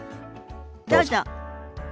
どうぞ。